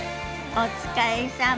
お疲れさま。